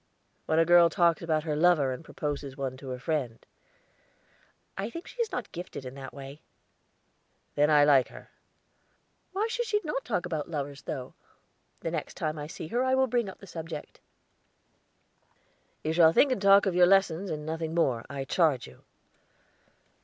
"When a girl talks about her lover or proposes one to her friend." "I think she is not gifted that way." "Then I like her." "Why should she not talk about lovers, though? The next time I see her I will bring up the subject." "You shall think and talk of your lessons, and nothing more, I charge you.